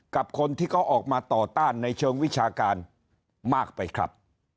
กับคนที่เขาออกมาต่อต้านในเชิงวิชาการมากไปครับ